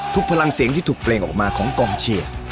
พลังเสียงที่ถูกเพลงออกมาของกองเชียร์